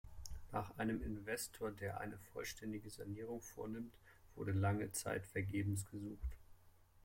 Nach einem Investor, der eine vollständige Sanierung vornimmt, wurde lange Zeit vergebens gesucht.